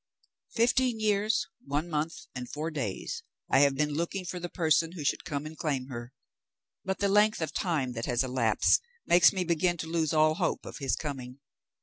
Fifteen years, one month, and four days I have been looking for the person who should come and claim her, but the length of time that has elapsed makes me begin to lose all hope of his coming.